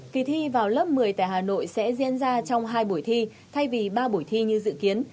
kỳ thi vào lớp một mươi tại hà nội sẽ diễn ra trong hai buổi thi thay vì ba buổi thi như dự kiến